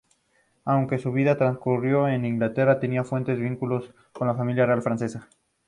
Aunque su vida transcurrió en Inglaterra, tenía fuertes vínculos con la familia real francesa.